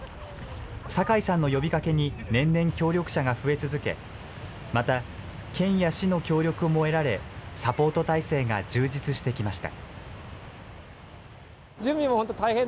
酒井さんの呼びかけに、年々協力者が増え続け、また県や市の協力も得られ、サポート態勢が充実してきました。